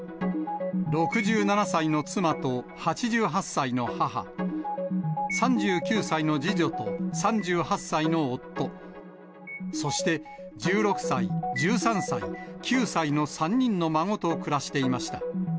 ６７歳の妻と８８歳の母、３９歳の次女と３８歳の夫、そして１６歳、１３歳、９歳の３人の孫と暮らしていました。